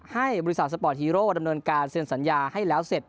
ให้บริษัทสปอร์ตฮีโร่ดำเนินการเซ็นสัญญาให้แล้วเสร็จ